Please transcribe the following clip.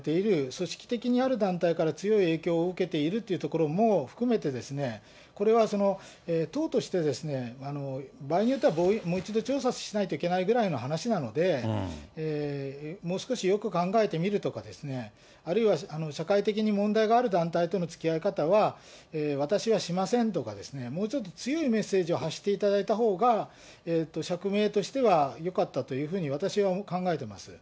組織的にある団体から強い影響を受けているというところも含めて、これは党として、場合によってはもう一度調査しないといけないぐらいの話なので、もう少しよく考えてみるとか、あるいは、社会的に問題がある団体とのつきあい方は、私はしませんとか、もうちょっと強いメッセージを発していただいたほうが、釈明としてはよかったというふうに私は考えてますよ。